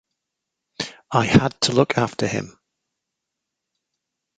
I had to look after him.